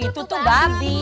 itu tuh babi